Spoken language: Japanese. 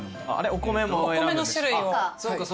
お米の種類を。